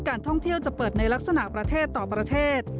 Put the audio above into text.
การท่องเที่ยวจะเปิดในลักษณะประเทศต่อประเทศ